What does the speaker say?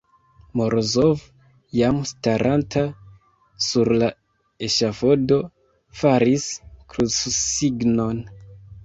Morozov, jam staranta sur la eŝafodo, faris krucsignon.